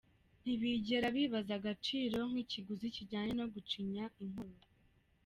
Ntibigera bibaza agaciro n’ikiguzi kijyanye no gucinya inkoro.